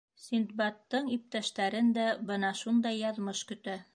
Синдбадтың иптәштәрен дә бына шундай яҙмыш көтә.